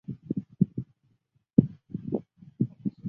欧塞奇镇区为位在美国堪萨斯州克劳福德县的镇区。